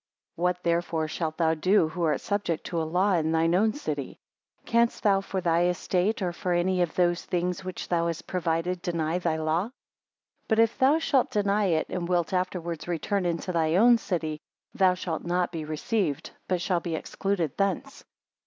4 What therefore shalt thou do who art subject to a law in thine own city? Canst thou for thy estate, or for any of those things which thou hast provided, deny thy law? But if thou shalt deny it, and wilt afterwards return into thy own city, thou shalt not be received, but shall be excluded thence.